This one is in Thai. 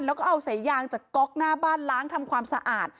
แล้วก็เอาสายยางจากก๊อกหน้าบ้านล้างทำความสะอาด